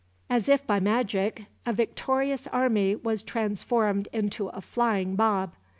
As if by magic, a victorious army was transformed into a flying mob.